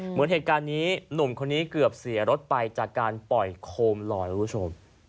เหมือนเหตุการณ์นี้หนุ่มคนนี้เกือบเสียรถไปจากการปล่อยโคมลอยคุณผู้ชม